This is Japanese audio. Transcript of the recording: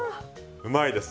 うまいです。